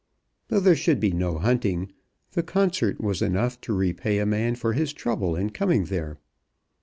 Though there should be no hunting, the concert was enough to repay a man for his trouble in coming there.